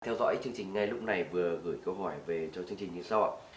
theo dõi chương trình ngay lúc này vừa gửi câu hỏi về cho chương trình như sau ạ